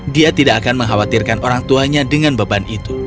dia tidak akan mengkhawatirkan orang tuanya dengan beban itu